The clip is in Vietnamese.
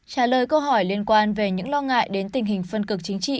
trả lời câu hỏi liên quan về những lo ngại đến tình hình phân cực chính trị